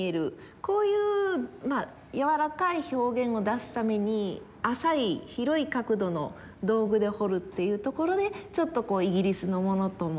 こういう柔らかい表現を出すために浅い広い角度の道具で彫るっていうところでちょっとこうイギリスのものとも。